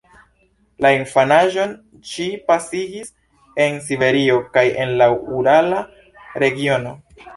La infanaĝon ŝi pasigis en Siberio kaj en la urala regiono.